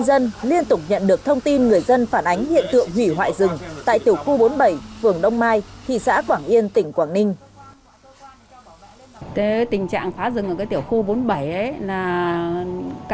đó là thực trạng đã và đang diễn ra tại tỉnh khu bốn mươi bảy quận đông mai thị xã quảng yên tỉnh quảng ninh